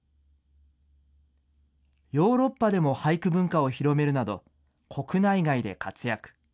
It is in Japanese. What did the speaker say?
ヨーロッパでも俳句文化を広めるなど、国内外で活躍。